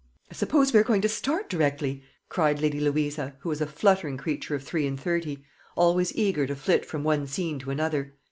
"I suppose we are going to start directly," cried Lady Louisa, who was a fluttering creature of three and thirty, always eager to flit from one scene to another.